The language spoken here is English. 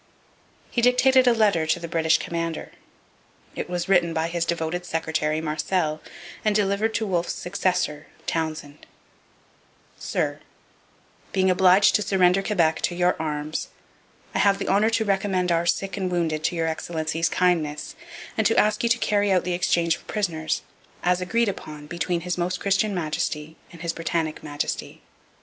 He dictated a letter to the British commander. It was written by his devoted secretary, Marcel, and delivered to Wolfe's successor, Townshend: 'Sir, being obliged to surrender Quebec to your arms I have the honour to recommend our sick and wounded to Your Excellency's kindness, and to ask you to carry out the exchange of prisoners, as agreed upon between His Most Christian Majesty and His Britannic Majesty.